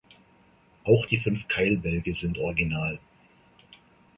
Auch die fünf Keilbälge sind original.